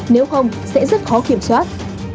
nếu không sẽ rất khó kiểm soát